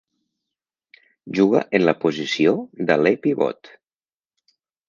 Juga en la posició d'aler pivot.